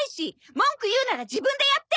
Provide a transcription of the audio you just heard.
文句言うなら自分でやって！